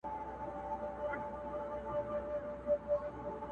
که مېرمني یې شپې ستړي په دُعا کړې٫